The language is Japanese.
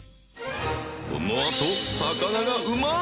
このあと魚がうまい！